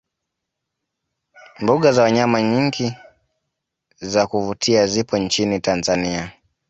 mbuga za wanyama nyingi za kuvutia zipo nchini tanzania